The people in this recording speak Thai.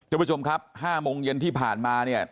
ทุกผู้ชมครับ๕โมงเย็นที่ผ่านมาเนี่ย